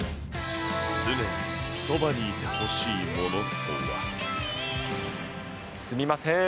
常にそばにいてほしいものとすみません。